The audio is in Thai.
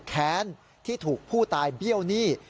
แค้นที่ถูกผู้ตายเบี้ยวหนี้